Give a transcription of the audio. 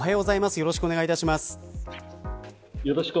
よろしくお願いします。